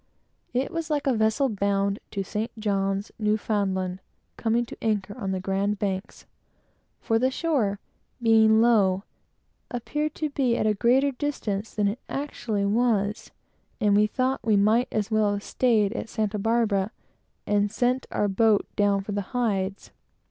It was like a vessel, bound to Halifax, coming to anchor on the Grand Banks; for the shore being low, appeared to be at a greater distance than it actually was, and we thought we might as well have staid at Santa Barbara, and sent our boat down for the hides.